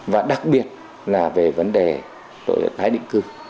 và đặc biệt là về vấn đề tội tái định cư